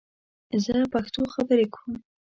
زه پښتو خبرې کوم